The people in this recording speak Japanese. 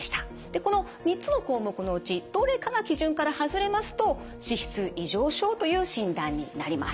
でこの３つの項目のうちどれかが基準から外れますと脂質異常症という診断になります。